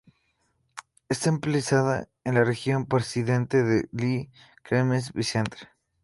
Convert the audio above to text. Está emplazada en la región parisiense de Le Kremlin-Bicêtre.